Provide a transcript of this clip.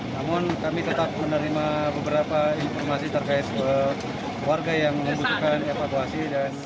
namun kami tetap menerima beberapa informasi terkait warga yang membutuhkan evakuasi